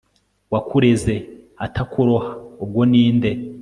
wakureze atakuroha ubwo ninde